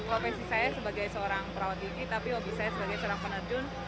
profesi saya sebagai seorang perawat diki tapi hobi saya sebagai seorang penerjun